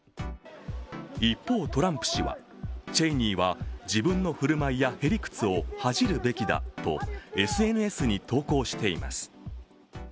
一方、トランプ氏はチェイニーは自分の振る舞いやへりくつを恥じるべきだとＳＮＳに投稿しています。